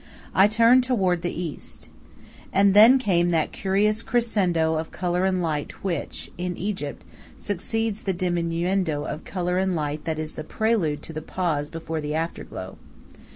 I turned toward the east. And then came that curious crescendo of color and of light which, in Egypt, succeeds the diminuendo of color and of light that is the prelude to the pause before the afterglow.